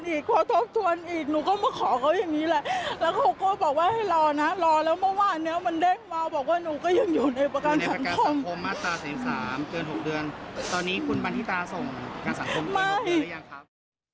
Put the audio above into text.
ตอนนี้คุณบันทิตาส่งการสัมภัณฑ์เกิน๖เดือนหรือยังครับ